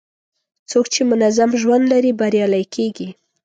څوک چې منظم ژوند لري، بریالی کېږي.